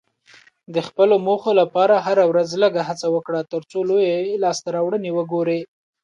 د خپلو موخو لپاره هره ورځ لږه هڅه وکړه، ترڅو لویې لاسته راوړنې وګورې.